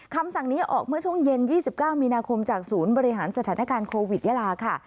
คำสั่งนี้ออกเมื่อช่วงเย็น๒๙มีนาคมจากศูนย์บริหารสถานการณ์โควิดยาลาค่ะ